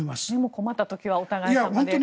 困った時はお互い様で。